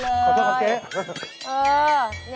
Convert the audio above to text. ขอโทษครับเจ๊